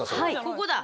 ここだ。